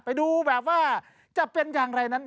ไปดูแบบว่าจะเป็นอย่างไรนั้น